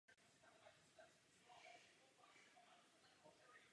Můžeme potvrdit, že situace v Kosovu se zlepšuje.